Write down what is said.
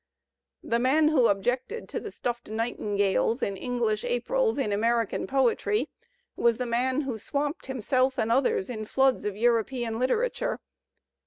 The man who objected to the stuffed nightingales and Eng lish Aprils in American poetry was the man who swamped himself and others in floods of European literature.